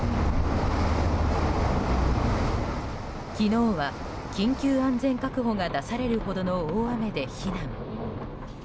昨日は緊急安全確保が出されるほどの大雨で避難。